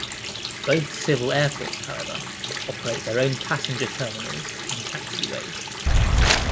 Both civil airports, however, operate their own passenger terminals and taxiways.